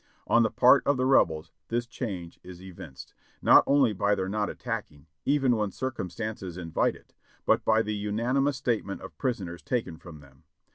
On the part of the Rebels this change is evinced, not only by their not attacking, even when circum stances invite it, but by the unanimous statement of prisoners taken from them.